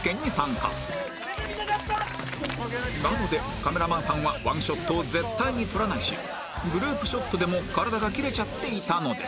なのでカメラマンさんはワンショットを絶対に撮らないしグループショットでも体が切れちゃっていたのです